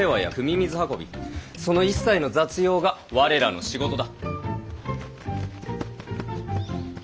水運びその一切の雑用が我らの仕事だ。